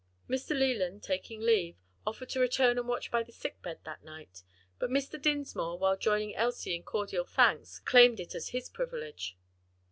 Mr. Leland, taking leave, offered to return and watch by the sick bed that night; but Mr. Dinsmore, while joining Elsie in cordial thanks, claimed it as his privilege.